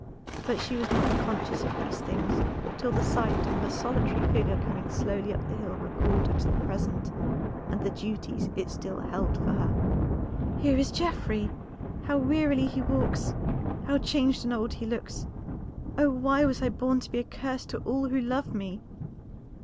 But she was not conscious of these things till the sight of a solitary figure coming slowly up the hill recalled her to the present and the duties it still held for her. "Here is Geoffrey! How wearily he walks, how changed and old he looks, oh, why was I born to be a curse to all who love me!"